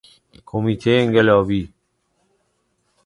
کمیته انقلابی